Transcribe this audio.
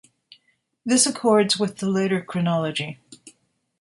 This accords with the later chronology.